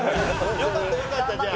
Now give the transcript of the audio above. よかったよかったじゃあ。